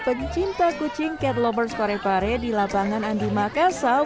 bagi cinta kucing cat lovers pare pare di lapangan andi makasau